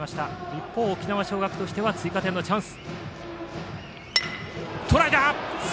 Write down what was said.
一方、沖縄尚学としては追加点のチャンス。